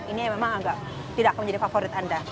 ini memang agak tidak akan menjadi favorit anda